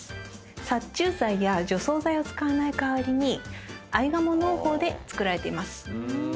殺虫剤や除草剤を使わない代わりにアイガモ農法で作られています。